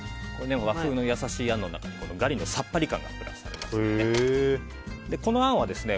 和風の優しいあんの中にガリのさっぱり感がプラスされますのでね。